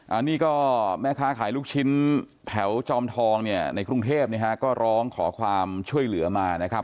อันนี้ก็แม่ค้าขายลูกชิ้นแถวจอมทองเนี่ยในกรุงเทพเนี่ยฮะก็ร้องขอความช่วยเหลือมานะครับ